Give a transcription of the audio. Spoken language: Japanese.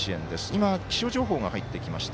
今、気象情報が入っていました。